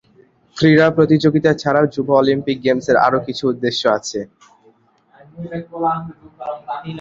ক্রীড়া প্রতিযোগিতা ছাড়াও যুব অলিম্পিক গেমসের আরও কিছু উদ্দেশ্য আছে।